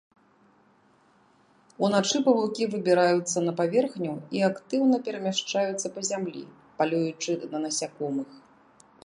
Уначы павукі выбіраюцца на паверхню і актыўна перамяшчаюцца па зямлі, палюючы на насякомых.